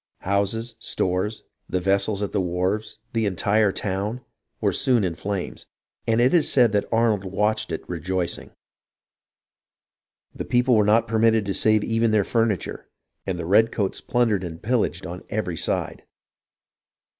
Houses, stores, the vessels at the wharves, the entire town, were soon in flames, and it is said Arnold watched it rejoicing. The people were not permitted to save even their furniture, and the redcoats plundered and pillaged on every side.